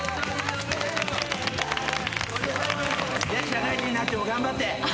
社会人になっても頑張って。